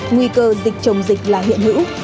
nguy cơ dịch chống dịch là hiện hữu